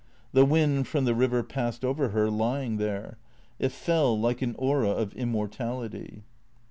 The wind from the river passed over her, lying there. It fell like an aura of im mortality.